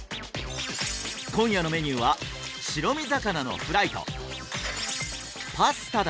今夜のメニューは白身魚のフライとパスタだ